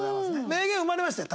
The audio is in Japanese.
名言生まれましたよ